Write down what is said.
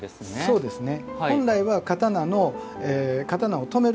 そうですね。